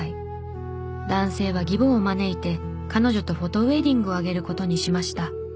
男性は義母を招いて彼女とフォトウェディングを挙げる事にしました。